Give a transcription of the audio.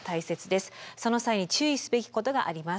その際に注意すべきことがあります。